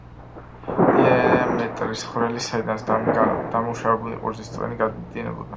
დიამეტრის ხვრელი, საიდანაც დამუშავებული ყურძნის წვენი გაედინებოდა.